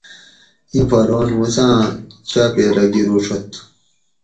ایں پہلوان موسیٰ آں چاپیرہ گیروڛت